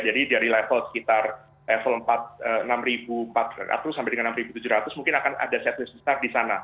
jadi dari level sekitar level enam ribu empat ratus sampai dengan enam ribu tujuh ratus mungkin akan ada sideways besar